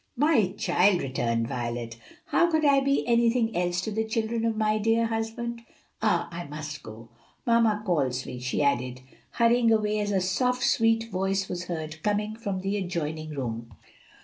"My child," returned Violet, "how could I be anything else to the children of my dear husband? Ah, I must go! Mamma calls me," she added, hurrying away as a soft, sweet voice was heard coming from the adjoining room.